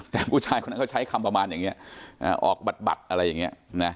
แต่ผู้ชายคนนั้นเขาใช้คำประมาณอย่างนี้ออกบัตรอะไรอย่างนี้นะ